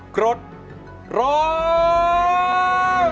กรดร้อง